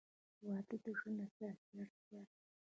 • واده د ژوند اساسي اړتیا ده.